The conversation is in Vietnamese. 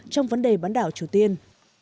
trong vấn đề bán đảo triều tiên